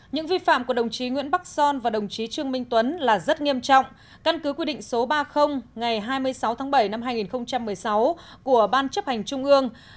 những vi phạm của đồng chí nguyễn bắc son và đồng chí trương minh tuấn là rất nghiêm trọng căn cứ quy định số ba mươi ngày hai mươi sáu tháng bảy năm hai nghìn một mươi sáu của ban chấp hành trung ương